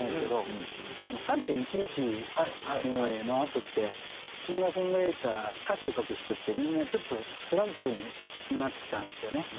３．１１のあとってシンガー・ソングライター歌詞を書く人ってみんなちょっとスランプになってたんですよね。